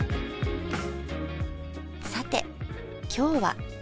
さて今日は。